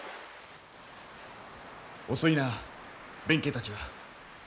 遅いな弁慶たちは。